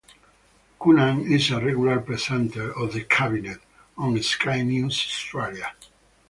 Coonan is a regular presenter on "The Cabinet" on Sky News Australia.